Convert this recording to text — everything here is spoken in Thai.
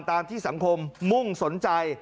ตามที่สังคมมุ่งสนใจ